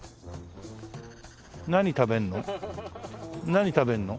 何食べるの？